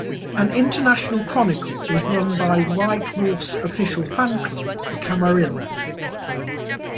An international chronicle is run by White Wolf's official fan club, the "Camarilla".